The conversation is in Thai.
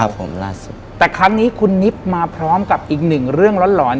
ผมล่าสุดแต่ครั้งนี้คุณนิบมาพร้อมกับอีกหนึ่งเรื่องร้อนหลอน